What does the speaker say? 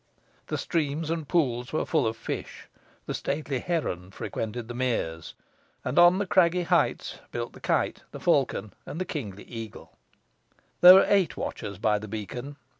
The streams and pools were full of fish: the stately heron frequented the meres; and on the craggy heights built the kite, the falcon, and the kingly eagle. There were eight watchers by the beacon.